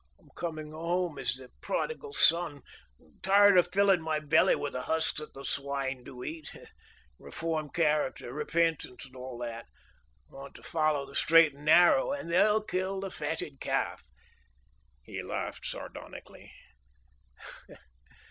I'm coming home as the Prodigal Son, tired of filling my belly with the husks that the swine do eat; reformed character, repentant and all that; want to follow the straight and narrow; and they'll kill the fatted calf." He laughed sardonically.